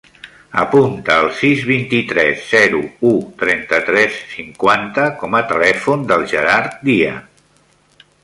Apunta el sis, vint-i-tres, zero, u, trenta-tres, cinquanta com a telèfon del Gerard Dia.